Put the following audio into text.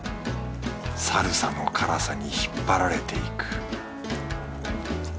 サルサの辛さに引っ張られていく